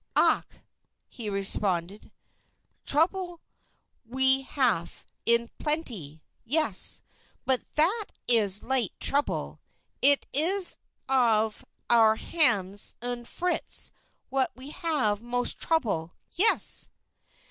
"Ach!" he responded. "Trouble we haf in blenty yes. But that iss light trouble. Idt iss of our Hans undt Fritz we haf de most trouble. Yes!"